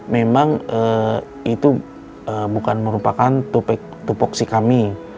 memang itu bukan merupakan tupoksi kami